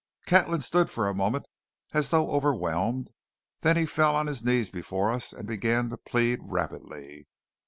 Catlin stood for a moment as though overwhelmed; then he fell on his knees before us and began to plead rapidly.